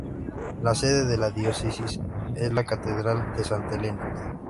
La sede de la Diócesis es la Catedral de Santa Elena.